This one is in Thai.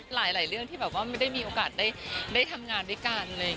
หลายเรื่องที่แบบว่าไม่ได้มีโอกาสได้ทำงานด้วยกัน